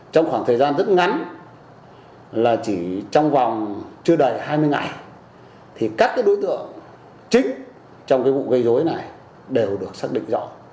trong khoảng thời gian rất ngắn là chỉ trong vòng chưa đầy hai mươi ngày thì các cái đối tượng chính trong cái vụ gây dối này đều được xác định rõ